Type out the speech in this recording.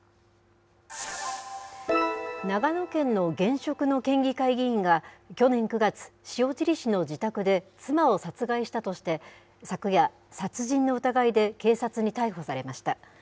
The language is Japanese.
長野県の現職の県議会議員が、去年９月、塩尻市の自宅で妻を殺害したとして、昨夜、殺人の疑いで警察に逮捕されました。